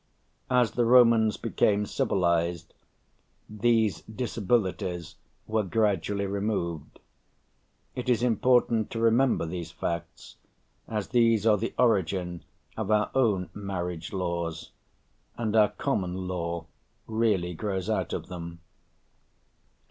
As the Romans became civilised, these disabilities were gradually removed. It is important to remember these facts, as these are the origin of our own marriage laws, and our common law really grows out of them.